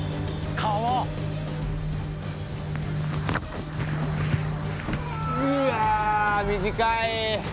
川うわ短い。